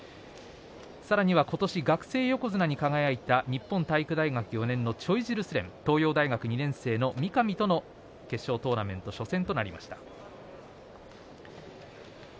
さらには今年、学生横綱に輝いた日本体育大学４年のチョイジルスレン東洋大学２年生の三上との決勝トーナメント初戦となりました。